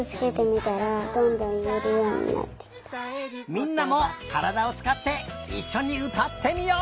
みんなもからだをつかっていっしょにうたってみよう！